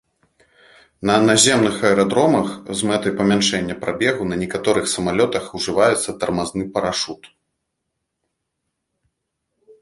На наземных аэрадромах з мэтай памяншэння прабегу на некаторых самалётах ўжываецца тармазны парашут.